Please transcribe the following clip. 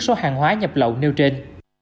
số hàng hóa nhập lậu nêu trên